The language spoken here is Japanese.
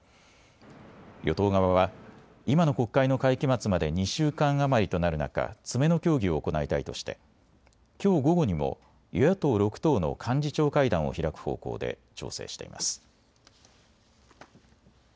与党側は今の国会の会期末まで２週間余りとなる中、詰めの協議を行いたいとしてきょう午後にも与野党６党の幹事長会談を開く方向で調整しています。